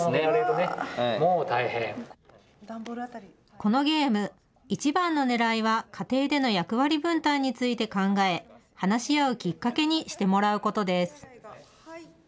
このゲーム、いちばんのねらいは家庭での役割分担について考え話し合うきっかけにしてもらうことです。